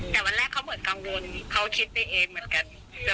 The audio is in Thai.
แต่วันแรกเขาเหมือนกังวลเขาคิดไปเองเหมือนกัน